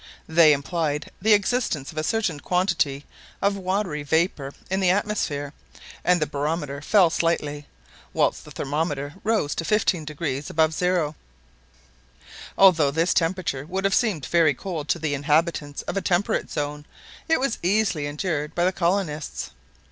They implied the existence of a certain quantity of watery vapour in the atmosphere, and the barometer fell slightly, whilst the thermometer rose to 15° above zero. Although this temperature would have seemed very cold to the inhabitants of a temperate zone, it was easily endured by the colonists.